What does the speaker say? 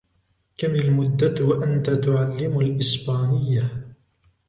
كم المدة وأنتَ تُعلم الإسبانية؟